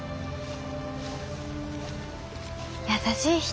優しい人。